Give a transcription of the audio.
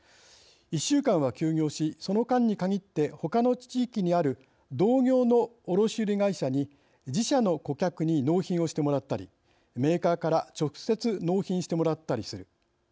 １週間は休業しその間に限って他の地域にある同業の卸売り会社に自社の顧客に納品をしてもらったりメーカーから直接、納品してもらったりする。